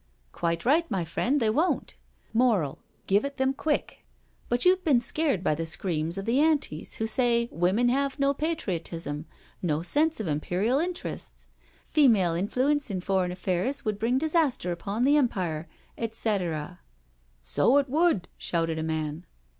" Quite right, my friend, they won't. Moral— give it them quick. But you've been scared by the screams of the Antis who say women have no patriotism — no sense of Imperial interests—' female influence in foreign affairs would bring disaster upon the Empire,' etcetera "" So it would " shouted a man.